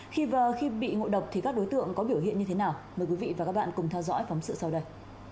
khi bị ngộ độc thì các đối tượng có biểu hiện như thế nào mời quý vị và các bạn cùng theo dõi phóng sự sau đây